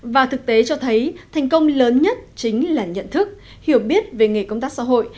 và thực tế cho thấy thành công lớn nhất chính là nhận thức hiểu biết về nghề công tác xã hội